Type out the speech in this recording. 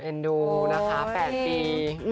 เอ็นดูนะคะ๘ปี